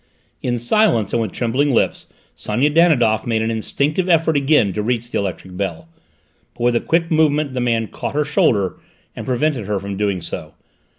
In silence and with trembling lips Sonia Danidoff made an instinctive effort again to reach the electric bell, but with a quick movement the man caught her shoulder and prevented her from doing so.